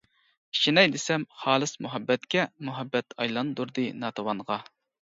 ئىشىنەي دېسەم خالىس مۇھەببەتكە مۇھەببەت ئايلاندۇردى ناتىۋانغا.